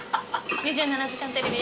『２７時間テレビ』